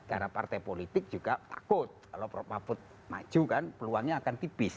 karena partai politik juga takut kalau perpaput maju kan peluangnya akan tipis